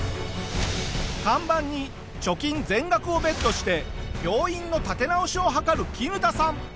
看板に貯金全額をベットして病院の立て直しを図るキヌタさん。